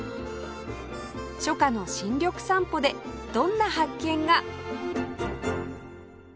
初夏の新緑散歩でどんな発見が